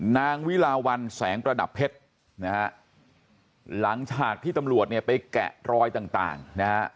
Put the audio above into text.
นางวิลาวันแสงประดับเพชรนะฮะหลังจากที่ตำรวจเนี่ยไปแกะรอยต่างนะฮะ